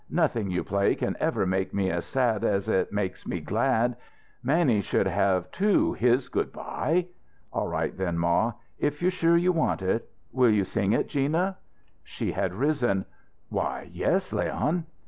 Nothing you play can ever make me as sad as it makes me glad. Mannie should have too his good bye." "All right then, ma, if if you're sure you want it. Will you sing it, Gina?" She had risen. "Why, yes, Leon."